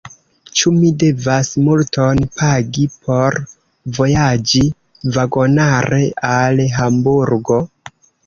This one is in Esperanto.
Ĉu mi devas multon pagi por vojaĝi vagonare al Hamburgo?